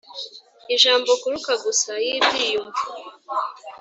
ijambo kuruka gusa. y'ibyiyumvo.